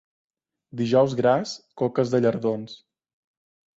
Dijous Gras, coques de llardons.